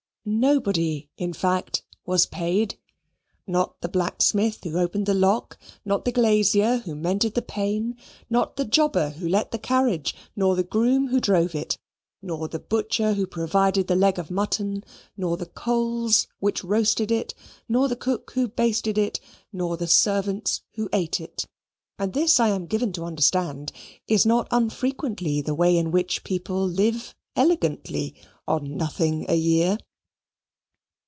Nobody in fact was paid. Not the blacksmith who opened the lock; nor the glazier who mended the pane; nor the jobber who let the carriage; nor the groom who drove it; nor the butcher who provided the leg of mutton; nor the coals which roasted it; nor the cook who basted it; nor the servants who ate it: and this I am given to understand is not unfrequently the way in which people live elegantly on nothing a year.